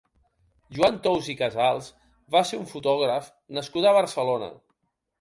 Joan Tous i Casals va ser un fotògraf nascut a Barcelona.